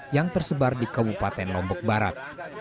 yang tersebar di kabupaten lombok barat